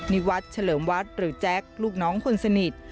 นิวัฒน์เฉลิมวัดหรือแจ๊คลูกน้องคนสนิท